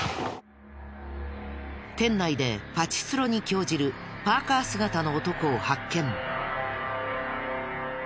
店内でパチスロに興じるパーカ姿の男を発見。